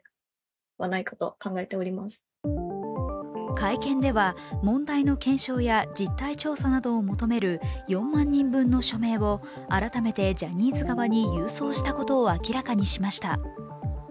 会見では、問題の検証や実態調査などを求める４万人分の署名を改めてジャニーズ側に郵送したことを明らかにしました。